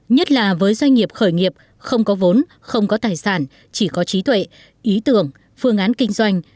nhất là với doanh nghiệp khởi nghiệp không có vốn không có tài sản chỉ có trí tuệ ý tưởng phương án kinh doanh